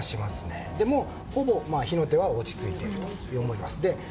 そして、ほぼ火の手は落ち着いていると思います。